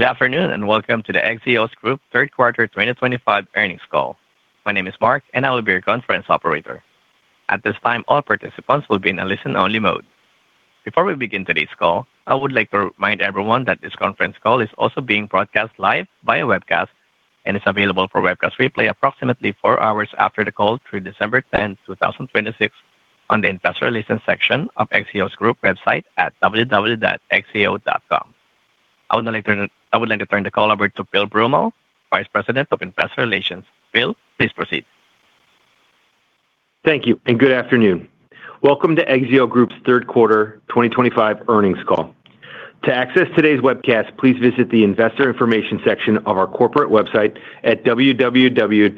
Good afternoon, and welcome to the Exzeo Group 3rd quarter 2025 Earnings Call. My name is Mark, and I will be your conference operator. At this time, all participants will be in a listen-only mode. Before we begin today's call, I would like to remind everyone that this conference call is also being broadcast live via webcast and is available for webcast replay approximately four hours after the call through December 10 2026, on the Investor Relations section of Exzeo Group website at www.exzeo.com. I would like to turn the call over to Phil Brummel, Vice President of Investor Relations. Phil, please proceed. Thank you, and good afternoon. Welcome to Exzeo Group's 3rd quarter 2025 Earnings Call. To access today's webcast, please visit the Investor Information section of our corporate website at www.exzeo.com.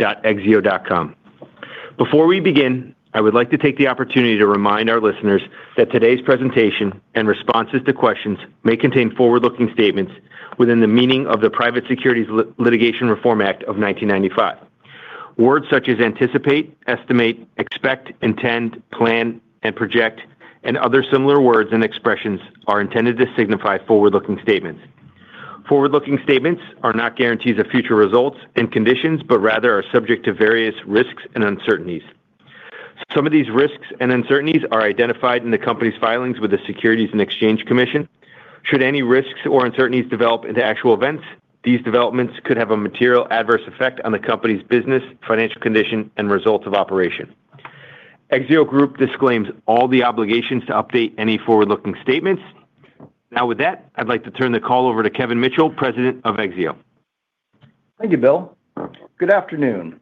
Before we begin, I would like to take the opportunity to remind our listeners that today's presentation and responses to questions may contain forward-looking statements within the meaning of the Private Securities Litigation Reform Act of 1995. Words such as anticipate, estimate, expect, intend, plan, and project, and other similar words and expressions are intended to signify forward-looking statements. Forward-looking statements are not guarantees of future results and conditions, but rather are subject to various risks and uncertainties. Some of these risks and uncertainties are identified in the company's filings with the Securities and Exchange Commission. Should any risks or uncertainties develop into actual events, these developments could have a material adverse effect on the company's business, financial condition, and results of operations. Exzeo Group disclaims all the obligations to update any forward-looking statements. Now, with that, I'd like to turn the call over to Kevin Mitchell, President of Exzeo. Thank you, Phil. Good afternoon,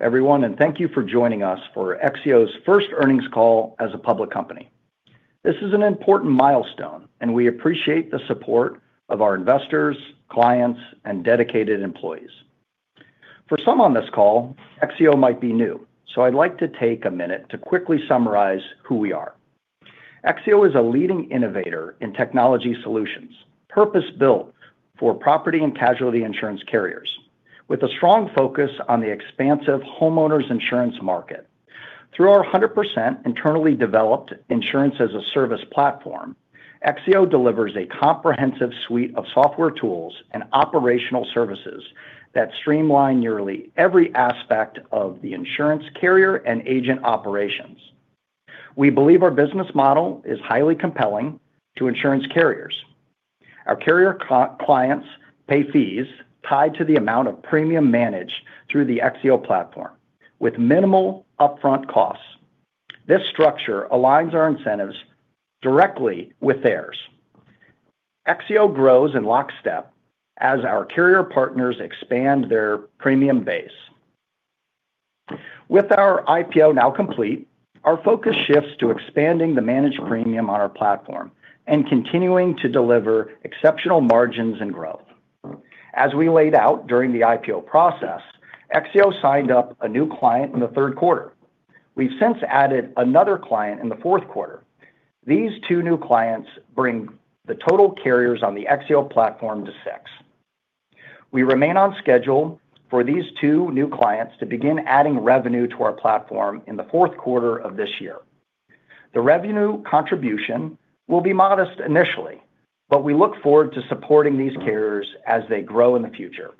everyone, and thank you for joining us for Exzeo's first earnings call as a public company. This is an important milestone, and we appreciate the support of our investors, clients, and dedicated employees. For some on this call, Exzeo might be new, so I'd like to take a minute to quickly summarize who we are. Exzeo is a leading innovator in technology solutions, purpose-built for property and casualty insurance carriers, with a strong focus on the expansive homeowners insurance market. Through our 100% internally developed insurance-as-a-service platform, Exzeo delivers a comprehensive suite of software tools and operational services that streamline nearly every aspect of the insurance carrier and agent operations. We believe our business model is highly compelling to insurance carriers. Our carrier clients pay fees tied to the amount of premium managed through the Exzeo platform, with minimal upfront costs. This structure aligns our incentives directly with theirs. Exzeo grows in lockstep as our carrier partners expand their premium base. With our IPO now complete, our focus shifts to expanding the managed premium on our platform and continuing to deliver exceptional margins and growth. As we laid out during the IPO process, Exzeo signed up a new client in the 3rd quarter. We've since added another client in the 4th quarter. These two new clients bring the total carriers on the Exzeo platform to six. We remain on schedule for these two new clients to begin adding revenue to our platform in the 4th quarter of this year. The revenue contribution will be modest initially, but we look forward to supporting these carriers as they grow in the future.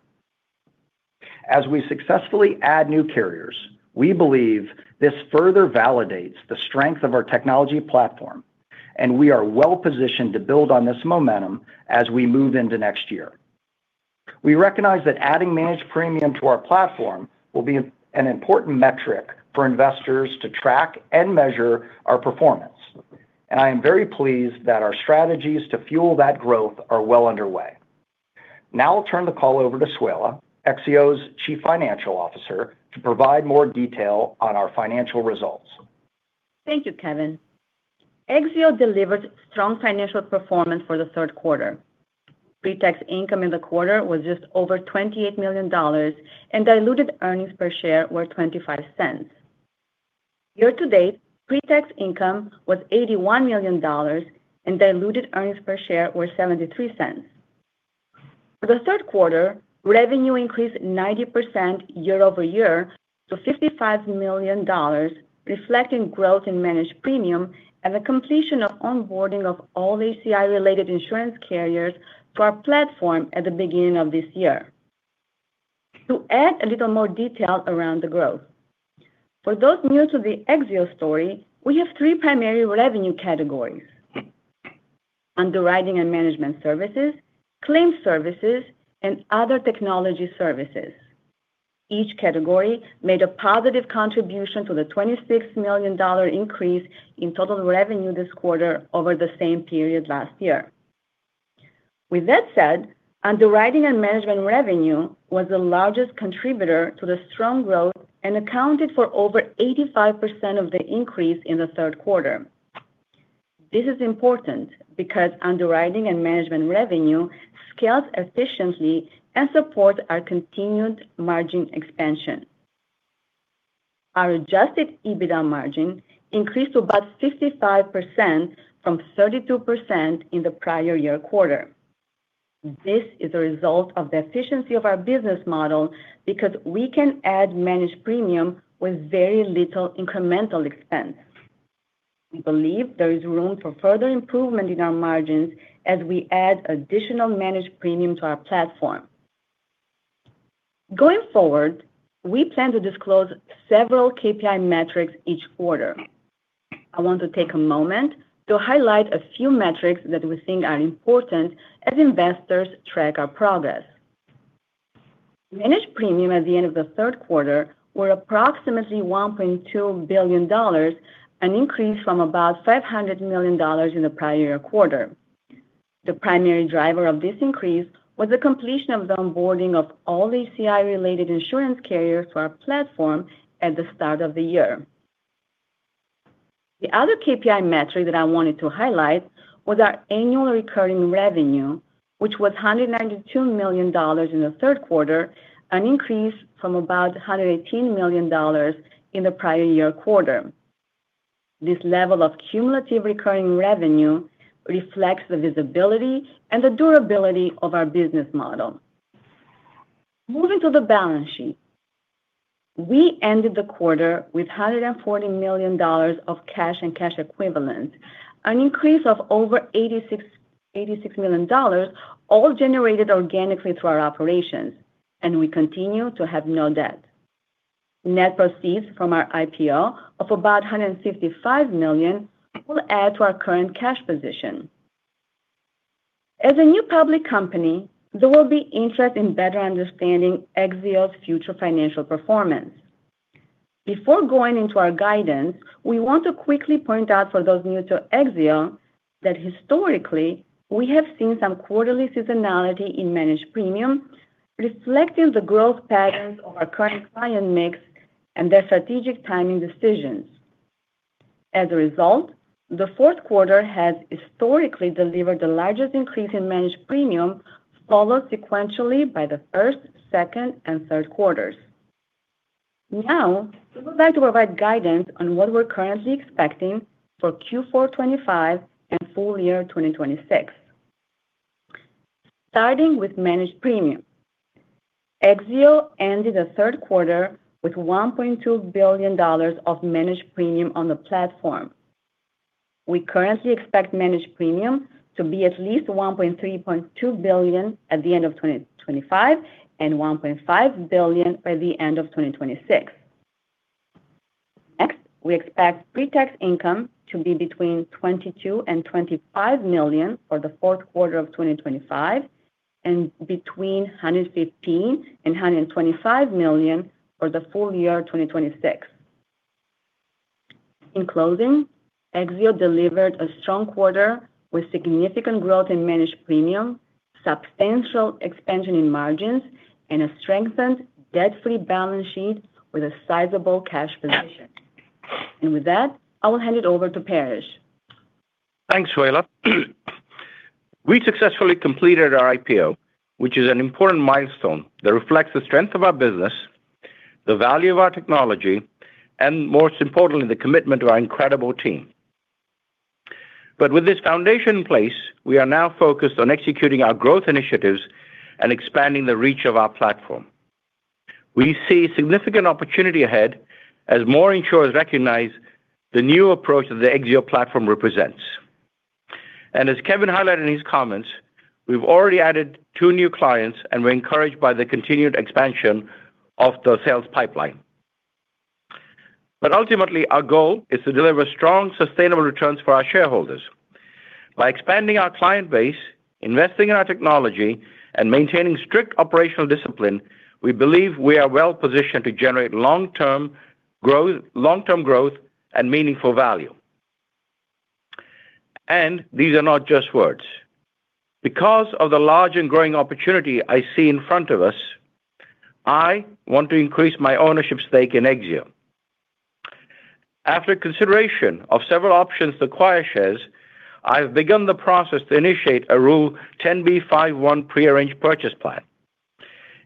As we successfully add new carriers, we believe this further validates the strength of our technology platform, and we are well-positioned to build on this momentum as we move into next year. We recognize that adding managed premium to our platform will be an important metric for investors to track and measure our performance, and I am very pleased that our strategies to fuel that growth are well underway. Now I'll turn the call over to Suela, Exzeo's Chief Financial Officer, to provide more detail on our financial results. Thank you, Kevin. Exzeo delivered strong financial performance for the 3rd quarter. Pretax income in the quarter was just over $28 million, and diluted earnings per share were $0.25. Year-to-date, pretax income was $81 million, and diluted earnings per share were $0.73. For the 3rd quarter, revenue increased 90% year-over-year to $55 million, reflecting growth in managed premium and the completion of onboarding of all HCI-related insurance carriers to our platform at the beginning of this year. To add a little more detail around the growth, for those new to the Exzeo story, we have three primary revenue categories: underwriting and management services, claim services, and other technology services. Each category made a positive contribution to the $26 million increase in total revenue this quarter over the same period last year. With that said, underwriting and management revenue was the largest contributor to the strong growth and accounted for over 85% of the increase in the 3rd quarter. This is important because underwriting and management revenue scales efficiently and supports our continued margin expansion. Our Adjusted EBITDA margin increased to about 55% from 32% in the prior year quarter. This is a result of the efficiency of our business model because we can add managed premium with very little incremental expense. We believe there is room for further improvement in our margins as we add additional managed premium to our platform. Going forward, we plan to disclose several KPI metrics each Quarter. I want to take a moment to highlight a few metrics that we think are important as investors track our progress. Managed premium at the end of the third quarter was approximately $1.2 billion, an increase from about $500 million in the prior year quarter. The primary driver of this increase was the completion of the onboarding of all HCI-related insurance carriers to our platform at the start of the year. The other KPI metric that I wanted to highlight was our annual recurring revenue, which was $192 million in the third quarter, an increase from about $118 million in the prior year quarter. This level of cumulative recurring revenue reflects the visibility and the durability of our business model. Moving to the balance sheet, we ended the quarter with $140 million of cash and cash equivalents, an increase of over $86 million, all generated organically through our operations, and we continue to have no debt. Net proceeds from our IPO of about $155 million will add to our current cash position. As a new public company, there will be interest in better understanding Exzeo's future financial performance. Before going into our guidance, we want to quickly point out for those new to Exzeo that historically, we have seen some quarterly seasonality in managed premium, reflecting the growth patterns of our current client mix and their strategic timing decisions. As a result, the fourth quarter has historically delivered the largest increase in managed premium, followed sequentially by the first, second, and third quarters. Now, we would like to provide guidance on what we're currently expecting for Q4 2025 and full year 2026. Starting with managed premium, Exzeo ended the third quarter with $1.2 billion of managed premium on the platform. We currently expect managed premium to be at least $1.32 billion at the end of 2025 and $1.5 billion by the end of 2026. Next, we expect pretax income to be between $22 and $25 million for the 4th quarter of 2025 and between $115 and $125 million for the full year 2026. In closing, Exzeo delivered a strong quarter with significant growth in managed premium, substantial expansion in margins, and a strengthened debt-free balance sheet with a sizable cash position. With that, I will hand it over to Paresh. Thanks, Suela. We successfully completed our IPO, which is an important milestone that reflects the strength of our business, the value of our technology, and most importantly, the commitment of our incredible team. With this foundation in place, we are now focused on executing our growth initiatives and expanding the reach of our platform. We see significant opportunity ahead as more insurers recognize the new approach that the Exzeo Platform represents. As Kevin highlighted in his comments, we've already added two new clients, and we're encouraged by the continued expansion of the sales pipeline. Ultimately, our goal is to deliver strong, sustainable returns for our shareholders. By expanding our client base, investing in our technology, and maintaining strict operational discipline, we believe we are well-positioned to generate long-term growth and meaningful value. These are not just words. Because of the large and growing opportunity I see in front of us, I want to increase my ownership stake in Exzeo. After consideration of several options to acquire shares, I have begun the process to initiate a Rule 10b5-1 pre-arranged purchase plan.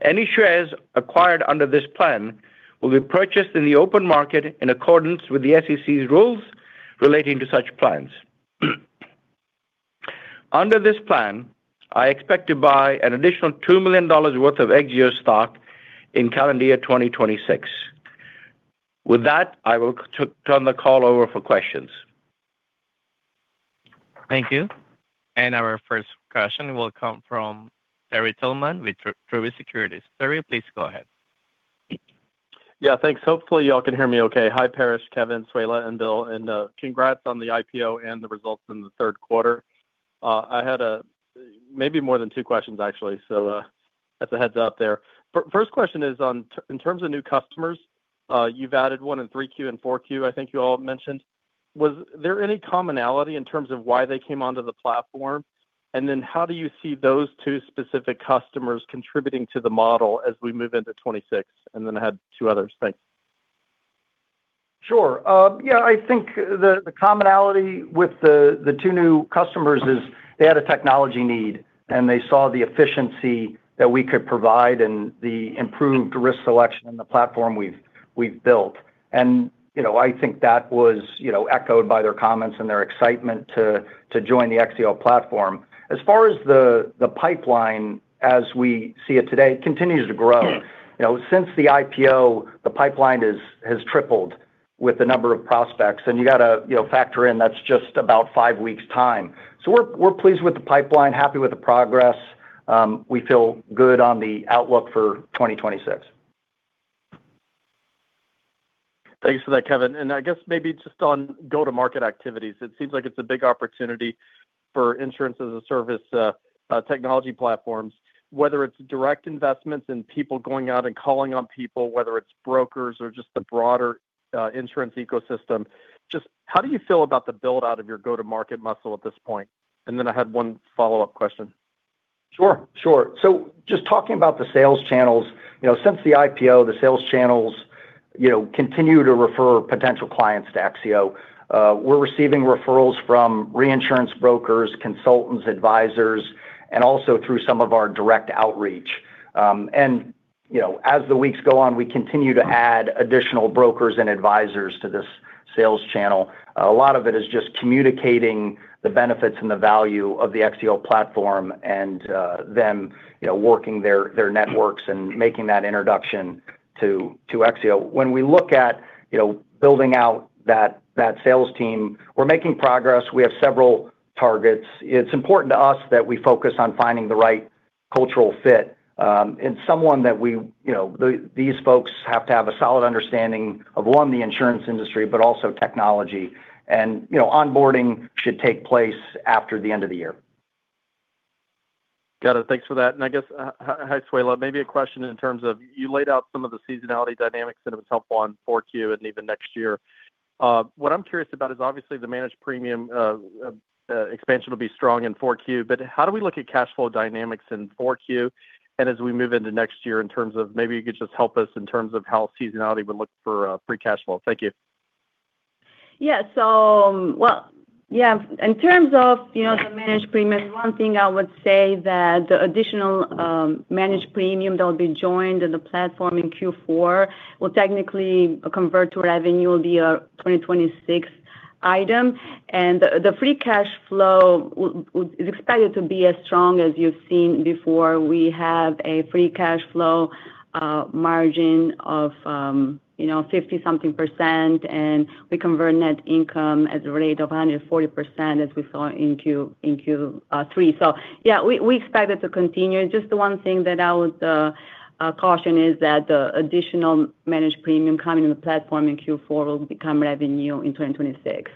Any shares acquired under this plan will be purchased in the open market in accordance with the SEC's rules relating to such plans. Under this plan, I expect to buy an additional $2 million worth of Exzeo stock in calendar year 2026. With that, I will turn the call over for questions. Thank you. Our first question will come from Terry Tillman with Truist Securities. Terry, please go ahead. Yeah, thanks. Hopefully, y'all can hear me okay. Hi, Paresh, Kevin, Suela, and Phil. Congrats on the IPO and the results in the third quarter. I had maybe more than two questions, actually, so that's a heads-up there. First question is, in terms of new customers, you've added one in 3Q and 4Q, I think you all mentioned. Was there any commonality in terms of why they came onto the platform? And then how do you see those two specific customers contributing to the model as we move into 2026? Then I had two others. Thanks. Sure. Yeah, I think the commonality with the two new customers is they had a technology need, and they saw the efficiency that we could provide and the improved risk selection in the platform we've built. I think that was echoed by their comments and their excitement to join the Exzeo Platform. As far as the pipeline, as we see it today, it continues to grow. Since the IPO, the pipeline has tripled with the number of prospects, and you got to factor in that's just about five weeks' time. So we're pleased with the pipeline, happy with the progress. We feel good on the outlook for 2026. Thanks for that, Kevin. I guess maybe just on go-to-market activities, it seems like it's a big opportunity for insurance-as-a-service technology platforms, whether it's direct investments and people going out and calling on people, whether it's brokers or just the broader insurance ecosystem. Just how do you feel about the build-out of your go-to-market muscle at this point? Then I had one follow-up question. Sure, sure. So just talking about the sales channels, since the IPO, the sales channels continue to refer potential clients to Exzeo. We're receiving referrals from reinsurance brokers, consultants, advisors, and also through some of our direct outreach. As the weeks go on, we continue to add additional brokers and advisors to this sales channel. A lot of it is just communicating the benefits and the value of the Exzeo platform and them working their networks and making that introduction to Exzeo. When we look at building out that sales team, we're making progress. We have several targets. It's important to us that we focus on finding the right cultural fit and someone that these folks have to have a solid understanding of, one, the insurance industry, but also technology. Onboarding should take place after the end of the year. Got it. Thanks for that. I guess, Hi, Suela. Maybe a question in terms of you laid out some of the seasonality dynamics, and it was helpful on 4Q and even next year. What I'm curious about is, obviously, the managed premium expansion will be strong in 4Q, but how do we look at cash flow dynamics in 4Q and as we move into next year in terms of maybe you could just help us in terms of how seasonality would look for free cash flow? Thank you. Yeah. So, well, yeah, in terms of the managed premium, one thing I would say that the additional managed premium that will be joined in the platform in Q4 will technically convert to revenue will be a 2026 item, and the free cash flow is expected to be as strong as you've seen before. We have a free cash flow margin of 50-something percent, and we convert net income at a rate of 140% as we saw in Q3, so, yeah, we expect it to continue. Just the one thing that I would caution is that the additional managed premium coming in the platform in Q4 will become revenue in 2026.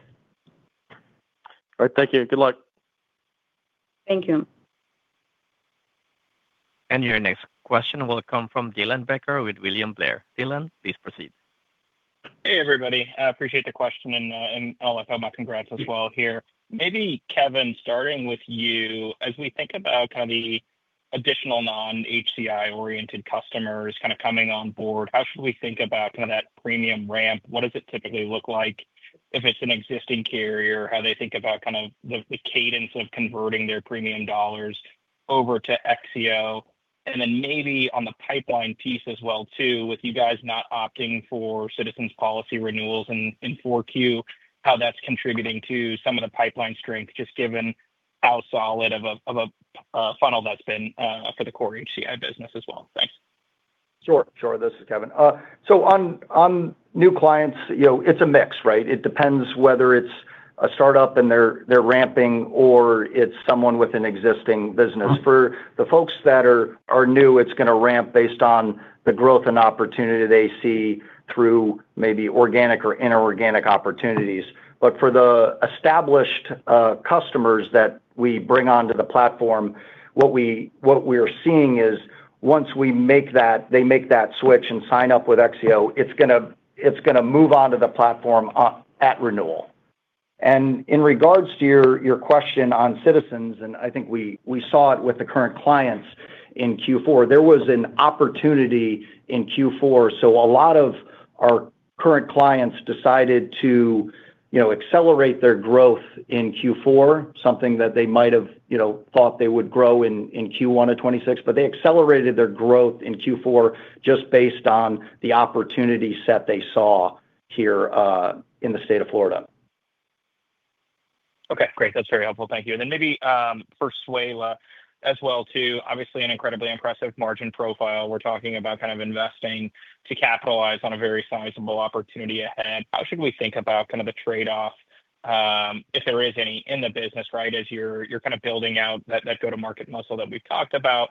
All right. Thank you. Good luck. Thank you. Your next question will come from Dylan Becker with William Blair. Dylan, please proceed. Hey, everybody. I appreciate the question, and I'll have my congrats as well here. Maybe, Kevin, starting with you, as we think about kind of the additional non-HCI-oriented customers kind of coming on board, how should we think about kind of that premium ramp? What does it typically look like? If it's an existing carrier, how do they think about kind of the cadence of converting their premium dollars over to Exzeo? And then maybe on the pipeline piece as well, too, with you guys not opting for Citizens' policy renewals in 4Q, how that's contributing to some of the pipeline strength, just given how solid of a funnel that's been for the core HCI business as well. Thanks. Sure, sure. This is Kevin. So on new clients, it's a mix, right? It depends whether it's a startup and they're ramping, or it's someone with an existing business. For the folks that are new, it's going to ramp based on the growth and opportunity they see through maybe organic or inorganic opportunities. For the established customers that we bring onto the platform, what we are seeing is once we make that, they make that switch and sign up with Exzeo, it's going to move on to the platform at renewal. In regards to your question on Citizens, and I think we saw it with the current clients in Q4, there was an opportunity in Q4. So a lot of our current clients decided to accelerate their growth in Q4, something that they might have thought they would grow in Q1 of 2026, but they accelerated their growth in Q4 just based on the opportunity set they saw here in the state of Florida. Okay. Great. That's very helpful. Thank you. Then maybe for Suela as well, too, obviously an incredibly impressive margin profile. We're talking about kind of investing to capitalize on a very sizable opportunity ahead. How should we think about kind of the trade-off, if there is any, in the business, right, as you're kind of building out that go-to-market muscle that we've talked about,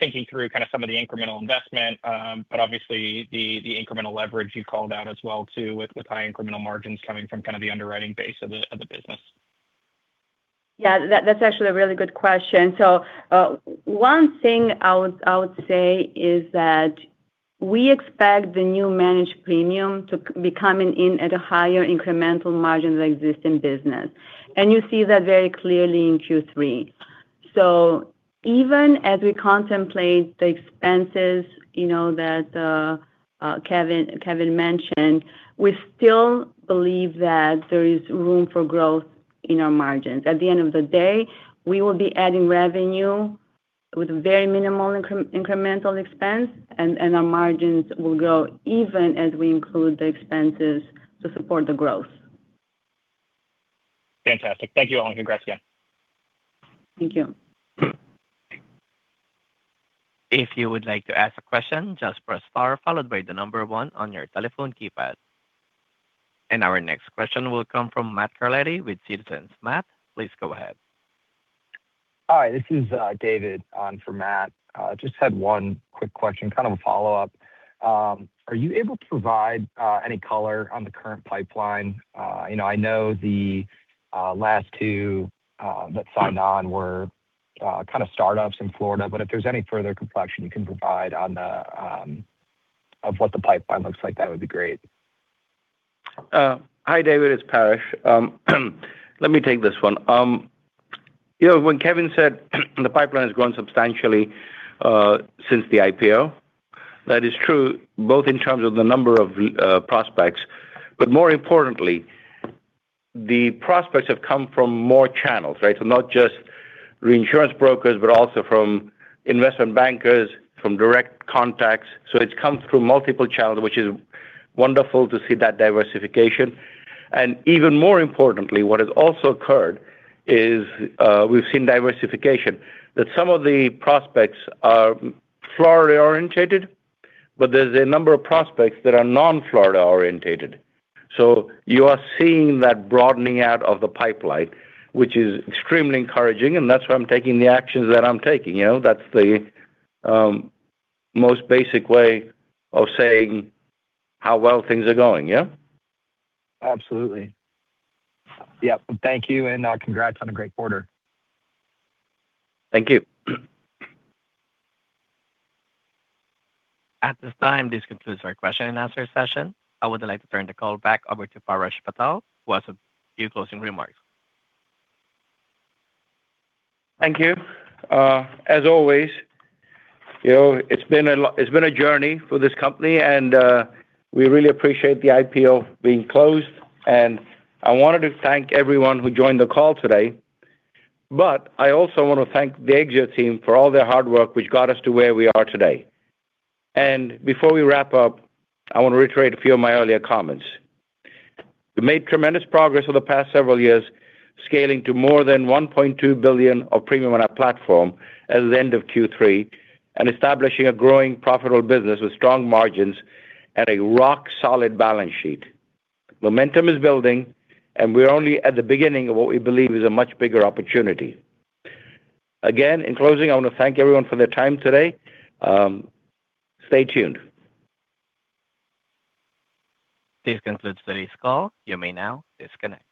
thinking through kind of some of the incremental investment, but obviously the incremental leverage you called out as well, too, with high incremental margins coming from kind of the underwriting base of the business? Yeah, that's actually a really good question. So one thing I would say is that we expect the new managed premium to be coming in at a higher incremental margin than existing business. You see that very clearly in Q3. So even as we contemplate the expenses that Kevin mentioned, we still believe that there is room for growth in our margins. At the end of the day, we will be adding revenue with very minimal incremental expense, and our margins will grow even as we include the expenses to support the growth. Fantastic. Thank you all. Congrats again. Thank you. If you would like to ask a question, just press star, followed by the number one on your telephone keypad, and our next question will come from Matt Carletti with Citizens. Matt, please go ahead. Hi, this is David on for Matt. Just had one quick question, kind of a follow-up. Are you able to provide any color on the current pipeline? I know the last two that signed on were kind of startups in Florida, but if there's any further complexion you can provide on what the pipeline looks like, that would be great. Hi, David. It's Paresh. Let me take this one. When Kevin said the pipeline has grown substantially since the IPO, that is true both in terms of the number of prospects, but more importantly, the prospects have come from more channels, right? So not just reinsurance brokers, but also from investment bankers, from direct contacts. So it's come through multiple channels, which is wonderful to see that diversification. Even more importantly, what has also occurred is we've seen diversification, that some of the prospects are Florida-oriented, but there's a number of prospects that are non-Florida-oriented. So you are seeing that broadening out of the pipeline, which is extremely encouraging, and that's why I'm taking the actions that I'm taking. That's the most basic way of saying how well things are going, yeah? Absolutely. Yeah. Thank you, and congrats on a great quarter. Thank you. At this time, this concludes our question and answer session. I would like to turn the call back over to Paresh Patel who has a few closing remarks. Thank you. As always, it's been a journey for this company, and we really appreciate the IPO being closed. I wanted to thank everyone who joined the call today, but I also want to thank the Exzeo team for all their hard work, which got us to where we are today. Before we wrap up, I want to reiterate a few of my earlier comments. We made tremendous progress over the past several years, scaling to more than $1.2 billion of premium on our platform at the end of Q3 and establishing a growing profitable business with strong margins and a rock-solid balance sheet. Momentum is building, and we're only at the beginning of what we believe is a much bigger opportunity. Again, in closing, I want to thank everyone for their time today. Stay tuned. This concludes today's call. You may now disconnect.